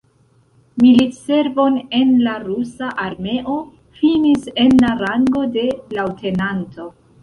Militservon en la rusa armeo finis en la rango de leŭtenanto.